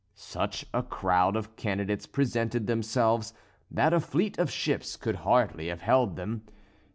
Such a crowd of candidates presented themselves that a fleet of ships could hardly have held them.